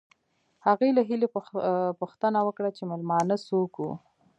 هغې له هیلې پوښتنه وکړه چې مېلمانه څوک وو